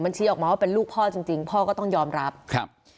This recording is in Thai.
ชี้ออกมาว่าเป็นลูกพ่อจริงจริงพ่อก็ต้องยอมรับครับ